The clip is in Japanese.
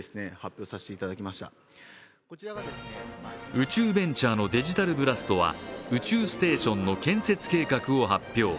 宇宙ベンチャーのデジタルブラストは宇宙ステーションの建設計画を発表。